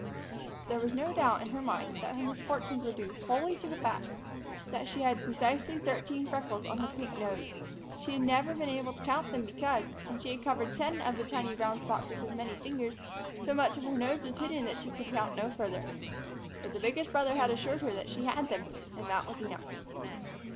There was no doubt in her mind that her misfortunes were due wholly to the fact that she had precisely thirteen freckles on her pink nose. She had never been able to count them because, when she had covered ten of the tiny brown spots with as many fingers, so much of her nose was hidden that she could count no further. But the biggest brother had assured her that she had them, and that was enough.